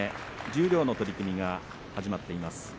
十両の取組が始まっています。